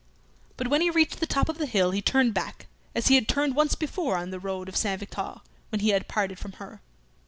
But when he reached the top of the hill he turned back, as he had turned once before on the road of Saint Victor when he had parted from her.